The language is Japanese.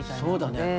そうだね。